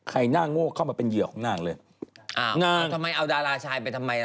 หน้าโง่เข้ามาเป็นเหยื่อของนางเลยอ่านางทำไมเอาดาราชายไปทำไมล่ะ